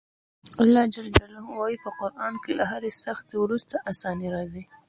الله ج وایي په قران کې له هرې سختي وروسته اساني راځي.